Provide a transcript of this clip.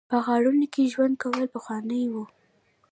په غارونو کې ژوند کول پخوانی و